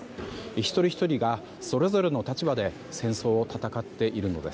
一人ひとりが、それぞれの立場で戦争を戦っているのです。